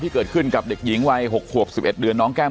ที่เกิดขึ้นกับเด็กหญิงวัยหกหวบสิบเอ็ดเดือนน้องแก้ม